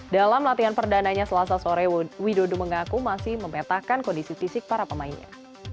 dalam latihan perdananya selasa sore widodo mengaku masih memetakan kondisi fisik para pemainnya